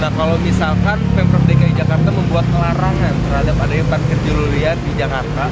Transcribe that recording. nah kalau misalkan pembel dki jakarta membuat kelarangan terhadap adanya juruparkir liar di jakarta